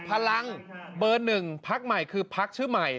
พลังเบอร์๑พักใหม่คือพักชื่อใหม่